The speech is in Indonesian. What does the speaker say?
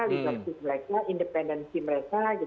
disertif mereka independensi mereka gitu